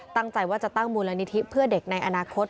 ตั้งใจว่าจะตั้งมูลนิธิเพื่อเด็กในอนาคต